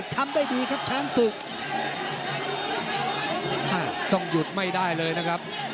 ทำได้ดีครับช้างศึกต้องหยุดไม่ได้เลยนะครับ